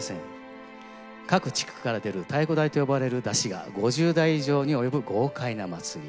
各地区から出る「太鼓台」と呼ばれる山車が５０台以上に及ぶ豪快な祭り。